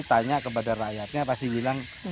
tanya kepada rakyatnya pasti bilang